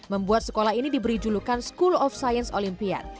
membuat sekolah ini diberi julukan school of science olympian